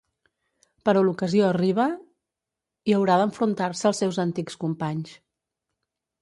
Però l'ocasió arriba i haurà d'enfrontar-se als seus antics companys.